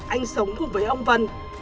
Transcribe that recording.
anh sống cùng với ông vân